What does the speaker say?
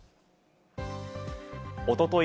おととい